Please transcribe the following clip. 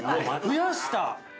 ◆増やした！？